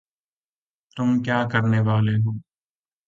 تم کیا کرنے والے ہو